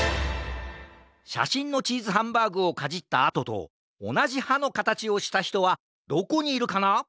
しゃしんのチーズハンバーグをかじったあととおなじはのかたちをしたひとはどこにいるかな？